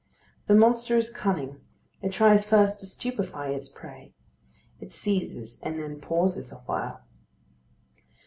The monster is cunning; it tries first to stupefy its prey. It seizes and then pauses awhile.